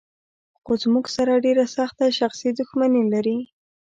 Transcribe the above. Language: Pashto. خو زموږ سره ډېره سخته شخصي دښمني لري.